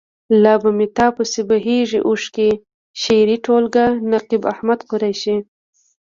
لا به مې تا پسې بهیږي اوښکې. شعري ټولګه. نقيب احمد قریشي.